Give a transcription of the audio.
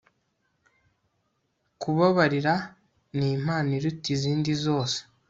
Kubabarira nimpano iruta izindi zose